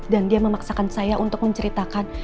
dan dia memaksakan saya untuk menceritakan